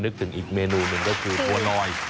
ถึงอีกเมนูหนึ่งก็คือบัวลอย